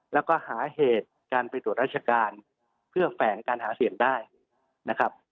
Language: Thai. แล้วก็หาเหตุการไปตรวจราชการเพื่อแฝงการหาเสียงได้นะครับ